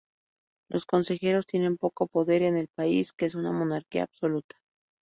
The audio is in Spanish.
Los consejos tienen poco poder en el país, que es una monarquía absoluta.